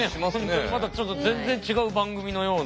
またちょっと全然違う番組のような。